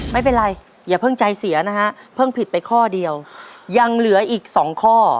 ไม่เป็นไรอย่าเพิ่งใจเสียนะฮะเพิ่งผิดไปข้อเดียวยังเหลืออีกสองข้อ